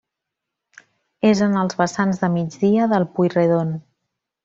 És en els vessants de migdia del Pui Redon.